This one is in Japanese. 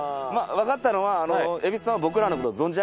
わかったのは。